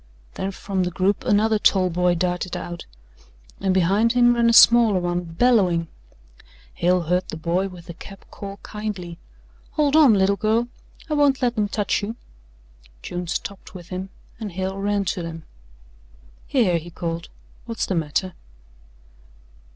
Then from the group another tall boy darted out and behind him ran a smaller one, bellowing. Hale heard the boy with the cap call kindly: "Hold on, little girl! I won't let 'em touch you." June stopped with him and Hale ran to them. "Here," he called, "what's the matter?"